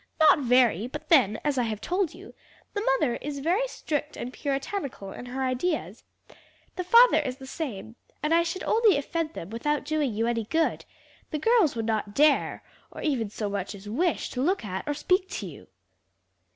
not very; but then, as I have told you, the mother is very strict and puritanical in her ideas; the father is the same, and I should only offend them without doing you any good; the girls would not dare, or even so much as wish to look at or speak to you."